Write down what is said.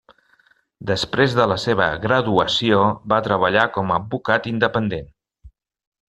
Després de la seva graduació, va treballar com a advocat independent.